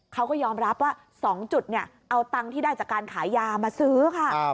เขาก็ยอมรับว่า๒จุดเอาตังค์ที่ได้จากการขายยามาซื้อค่ะ